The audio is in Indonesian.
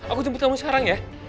aku jemput kamu sekarang ya